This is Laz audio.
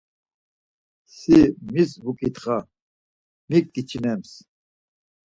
Si mis vuǩitxa, mik giçinems?